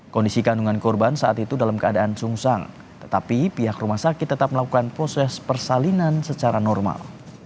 kondisi kandungan korban saat itu dalam keadaan sungsang tetapi pihak rumah sakit tetap melakukan proses persalinan secara normal